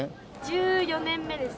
１４年目です。